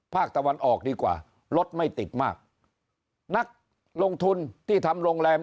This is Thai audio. ภาคตะวันออกดีกว่ารถไม่ติดมากนักลงทุนที่ทำโรงแรม